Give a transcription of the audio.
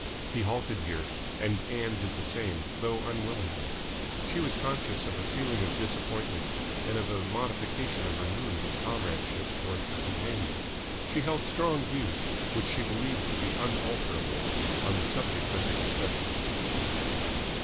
He halted here, and Ann did the same, though unwillingly. She was conscious of a feeling of disappointment and of a modification of her mood of comradeship towards her companion. She held strong views, which she believed to be unalterable, on the subject under discussion.